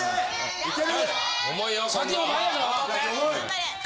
いける！